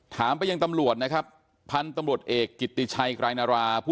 ถามไปยังตำลวดนะครับ